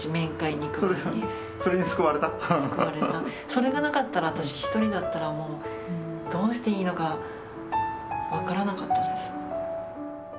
それがなかったら私一人だったらもうどうしていいのか分からなかったです。